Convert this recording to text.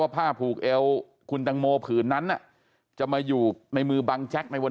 ผ้าผูกเอวคุณตังโมผืนนั้นจะมาอยู่ในมือบังแจ็คในวัน